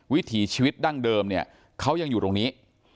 วิถีชีวิตดั้งเดิมเนี่ยเขายังอยู่ตรงนี้